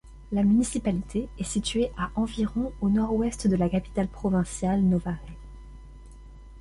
La municipalité est située à environ au nord-ouest de la capitale provinciale Novare.